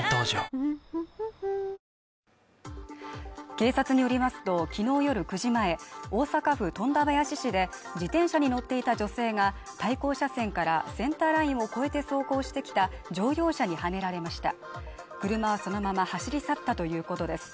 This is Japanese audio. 警察によりますと昨日夜９時前大阪府富田林市で自転車に乗っていた女性が対向車線からセンターラインを越えて走行してきた乗用車にはねられました車はそのまま走り去ったということです